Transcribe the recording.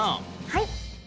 はい。